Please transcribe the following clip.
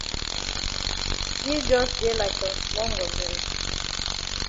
Yi jus dey like some small ngondere.